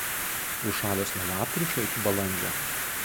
Užšalęs nuo lapkričio iki balandžio.